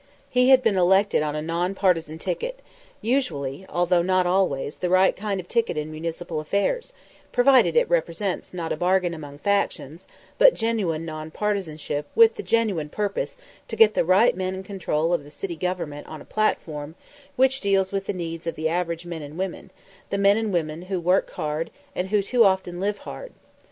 He had been elected on a non partisan ticket usually (although not always) the right kind of ticket in municipal affairs, provided it represents not a bargain among factions but genuine non partisanship with the genuine purpose to get the right men in control of the city government on a platform which deals with the needs of the average men and women, the men and women who work hard and who too often live hard.